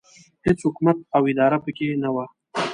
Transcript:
هېڅ حکومت او اداره پکې نه وه.